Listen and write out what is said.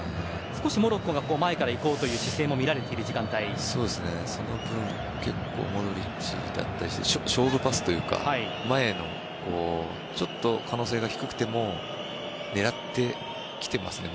少しモロッコが前から行こうという姿勢もそうですね、その分モドリッチだったりが勝負パスというか、前へのちょっと可能性が低くても狙ってきていますね